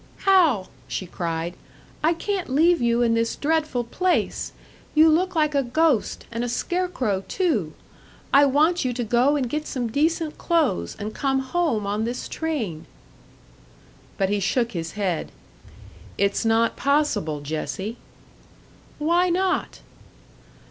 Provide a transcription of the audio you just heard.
"Hal," she cried, "I can't leave you in this dreadful place! You look like a ghost, and a scarecrow, too! I want you to go and get some decent clothes and come home on this train." But he shook his head. "It's not possible, Jessie." "Why not?"